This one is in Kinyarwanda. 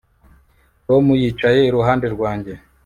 Tom yicaye iruhande rwanjye